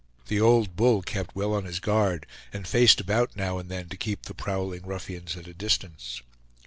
The old bull kept well on his guard, and faced about now and then to keep the prowling ruffians at a distance.